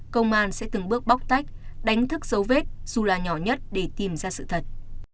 công an sẽ từng bước bóc tách đánh thức dấu vết dù là nhỏ nhất để tìm ra sự thật